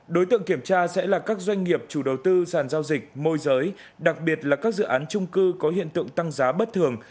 đối tượng kiểm tra sẽ là các doanh nghiệp chủ đầu tư sàn giao dịch môi giới đặc biệt là các dự án trung cư có hiện tượng tăng giá bất thường